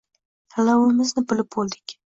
Tanlovimizni qilib bo'ldik.